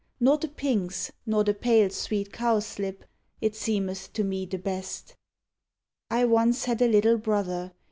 Nor the pinks, nor the pale sweet cowslip, It seenieth to me the best. I once had a little brother.